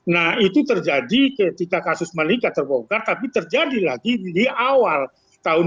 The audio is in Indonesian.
nah itu terjadi ketika kasus malika terbongkar tapi terjadi lagi di awal tahun dua ribu dua puluh